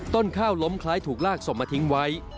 ต้นข้าวล้มคล้ายถูกลากศพมาทิ้งไว้